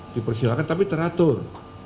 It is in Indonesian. dipersilahkan tapi teratur